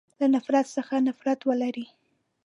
له نفرت څخه نفرت ولری.